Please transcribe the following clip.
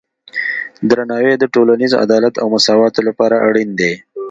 درناوی د ټولنیز عدالت او مساواتو لپاره اړین دی.